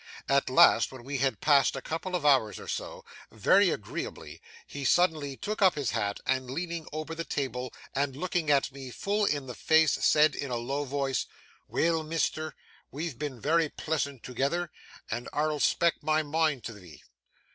At last, when we had passed a couple of hours or so, very agreeably, he suddenly took up his hat, and leaning over the table and looking me full in the face, said, in a low voice: "Weel, Misther, we've been vara pleasant toogather, and ar'll spak' my moind tiv'ee.